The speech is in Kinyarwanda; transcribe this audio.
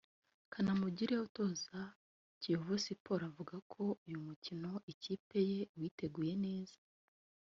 Kanamugire utoza Kiyovu Sports avuga ko uyu mukino ikipe ye iwiteguye neza